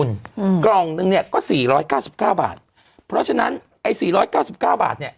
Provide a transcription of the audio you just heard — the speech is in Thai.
อืมกล่องหนึ่งเนี้ยก็สี่ร้อยเก้าสิบเก้าบาทเพราะฉะนั้นไอ้สี่ร้อยเก้าสิบเก้าบาทเนี้ย